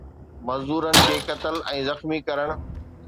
مزدورن کي قتل ۽ زخمي ڪرڻ